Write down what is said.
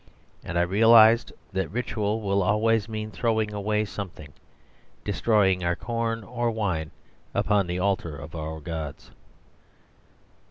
And I realised that ritual will always mean throwing away something; DESTROYING our corn or wine upon the altar of our gods.